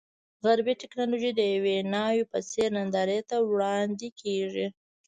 غربي ټکنالوژي د یوې ناوې په څېر نندارې ته وړاندې کېږي.